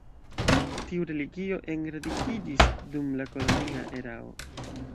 Tiu religio enradikiĝis dum la kolonia erao.